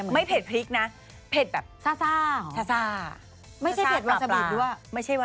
ไม่เผ็ดพริกนะเผ็ดแบบซา